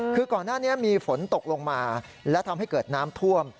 คือก่อนหน้านี้มีฝนตกลงมาและทำให้เกิดน้ำท่วม